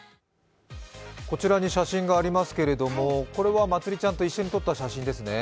こちらに写真がありますけれども、これはまつりちゃんと一緒に撮った写真ですね。